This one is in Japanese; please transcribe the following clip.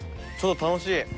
ちょっと楽しい。